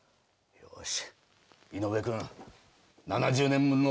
よし。